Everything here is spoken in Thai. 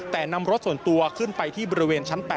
แต่นำรถส่วนตัวขึ้นไปที่บริเวณชั้น๘